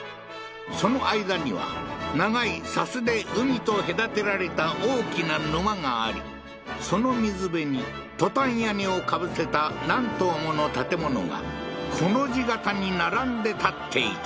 その間には長い砂州で海と隔てられた大きな沼がありその水辺にトタン屋根をかぶせた何棟もの建物がコの字型に並んで建っていた